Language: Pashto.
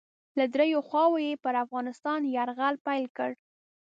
له دریو خواوو یې پر افغانستان یرغل پیل کړ.